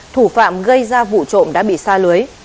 thủ phạm gây ra vụ trộm đã bị xa lưới